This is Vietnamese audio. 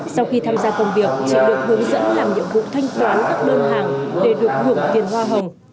sau khi tham gia công việc chị được hướng dẫn làm nhiệm vụ thanh toán các đơn hàng để được hưởng tiền hoa hồng